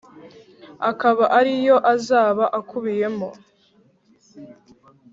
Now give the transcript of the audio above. akaba ari yo azaba akubiyemo